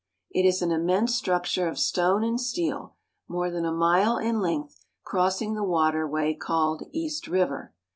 It is an immense structure of stone and steel, more than a mile in length, crossing the water way called East River.